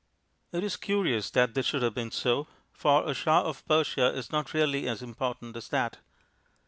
It is curious that this should have been so, for a Shah of Persia is not really as important as that.